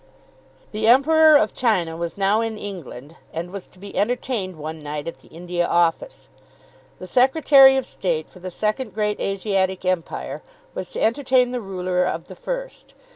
The Emperor of China was now in England, and was to be entertained one night at the India Office. The Secretary of State for the second great Asiatic Empire was to entertain the ruler of the first.